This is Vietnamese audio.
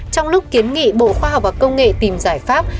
trong lúc kiến nghị bộ khoa học và công nghệ tìm giải pháp